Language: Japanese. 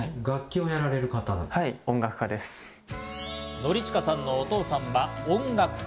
典親さんのお父さんは音楽家。